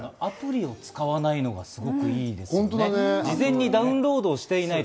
アプリを使わないのがすごくいいですね。